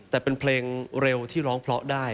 แต่เป็นเพลงเร็วที่ร้องเพราะได้